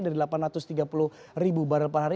dari delapan ratus tiga puluh ribu barrel per hari